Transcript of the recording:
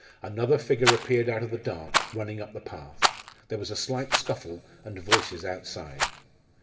Another figure appeared out of the dark, running up the path. There was a slight scuffle, and voices outside.